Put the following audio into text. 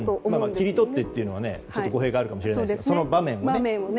切り取ってというのは語弊があるかもしれませんけどその場面をね。